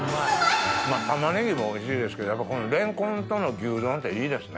玉ねぎもおいしいですけどこのレンコンとの牛丼っていいですね。